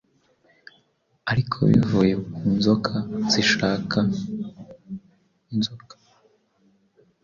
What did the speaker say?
ariko bivuye ku nzoka zishaka inzoka